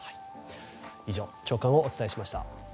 以上、朝刊をお伝えしました。